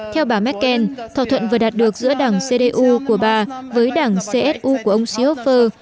theo bà merkel thỏa thuận vừa đạt được giữa đảng cdu của bà với đảng csu của ông seeofer